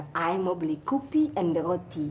saya mau beli kopi dan roti